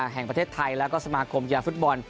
แห่งประเทศไทยแล้วก็สมาคมกีฬาฟุตบอล